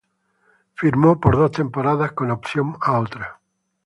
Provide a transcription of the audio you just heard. Firmó por dos temporadas con opción a otra.